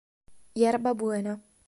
Yerba Buena